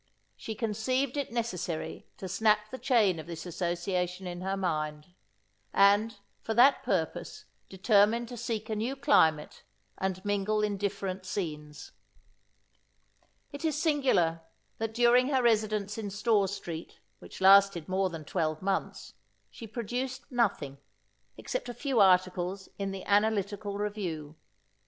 She conceived it necessary to snap the chain of this association in her mind; and, for that purpose, determined to seek a new climate, and mingle in different scenes. It is singular, that during her residence in Store street, which lasted more than twelve months, she produced nothing, except a few articles in the Analytical Review.